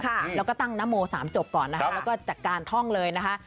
แล้วก็ตั้งนโมสามจบก่อนนะคะแล้วก็จัดการท่องเลยนะคะ